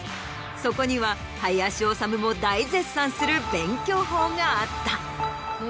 そこには林修も大絶賛する勉強法があった。